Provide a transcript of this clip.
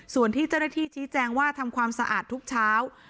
ส่วนที่เจ้าหน้าที่ชี้แจงว่าทำความสะอาดทุกเช้า